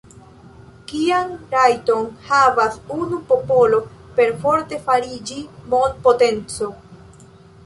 Kian rajton havas unu popolo perforte fariĝi mondpotenco?